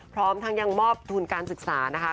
พร้อมทั้งยังมอบทุนการศึกษานะคะ